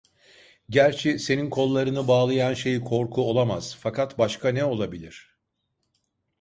Gerçi senin kollarını bağlayan şey korku olamaz, fakat başka ne olabilir.